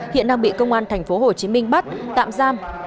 hiện đang bị công an tp hcm bắt tạm giam